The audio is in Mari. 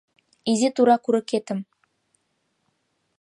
Изи тура курыкетым